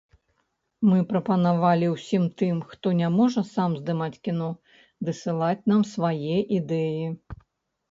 Мы прапанавалі ўсім тым, хто не можа сам здымаць кіно, дасылаць нам свае ідэі.